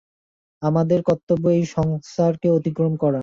আমাদের কর্তব্য, এই সংস্কারকে অতিক্রম করা।